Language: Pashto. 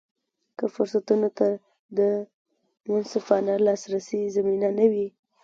که فرصتونو ته د منصفانه لاسرسي زمینه نه وي.